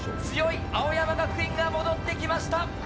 強い青山学院が戻ってきました。